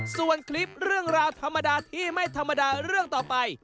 ส่วนคลิปเรื่องราวธรรมดาที่ไม่ธรรมดาเรื่องต่อไป